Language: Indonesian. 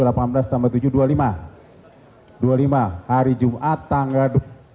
dua puluh lima hari jumat tanggal